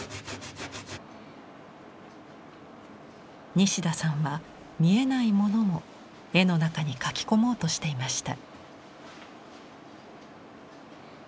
西田さんは見えないものも絵の中に描き込もうとしていました。